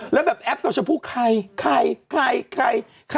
แล้วแอปกับชมพู้ใคร